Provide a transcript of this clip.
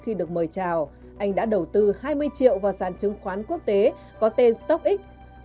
anh được mời chào anh đã đầu tư hai mươi triệu vào sản chứng khoán quốc tế có tên stockx